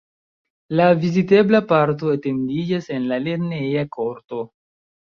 La vizitebla parto etendiĝas en la lerneja korto.